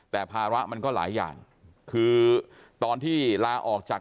แต่ภาระมันก็หลายอย่างคือตอนที่ลาออกจาก